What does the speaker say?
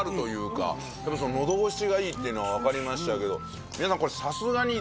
喉越しがいいっていうの分かりましたけど水卜さんこれ。